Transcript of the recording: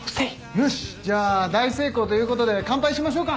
よしじゃあ大成功ということで乾杯しましょうか。